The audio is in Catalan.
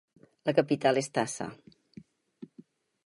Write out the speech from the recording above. La capital és Taza.